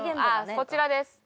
こちらです。